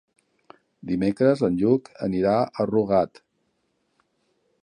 Dimecres en Lluc anirà a Rugat.